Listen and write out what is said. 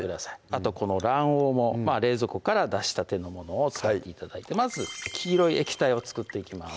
あとこの卵黄も冷蔵庫から出したてのものを使って頂いてまず黄色い液体を作っていきます